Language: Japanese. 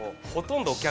ほとんど。